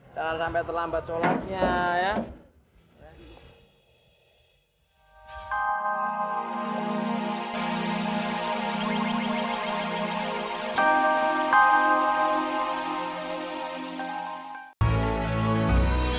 jangan sampai terlambat sholatnya ya